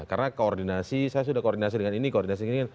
karena koordinasi saya sudah koordinasi dengan ini koordinasi dengan ini